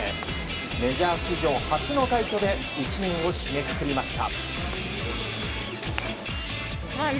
メジャー史上初の快挙で１年を締めくくりました。